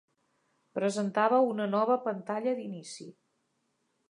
Presentava una nova pantalla d'inici.